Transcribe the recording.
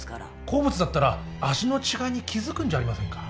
好物だったら味の違いに気付くんじゃありませんか？